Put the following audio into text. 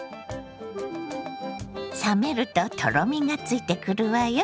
冷めるととろみがついてくるわよ。